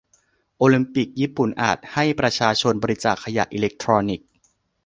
โอลิมปิก ญี่ปุ่นอาจให้ประชาชนบริจาคขยะอิเล็กทรอนิกส์